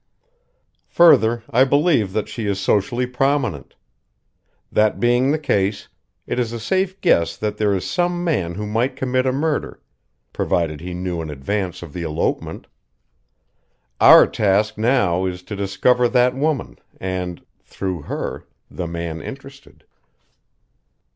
Further, I believe that she is socially prominent. That being the case, it is a safe guess that there is some man who might commit a murder, provided he knew in advance of the elopement. Our task now is to discover that woman and, through her, the man interested."